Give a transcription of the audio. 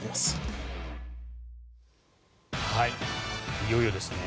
いよいよですね。